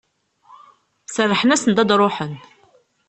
Serrḥen-asen-d ad d-ruḥen.